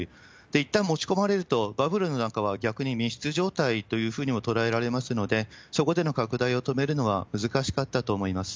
いったん持ち込まれると、バブルの中は逆に密室状態というふうにも捉えられますので、そこでの拡大を止めるのは難しかったと思います。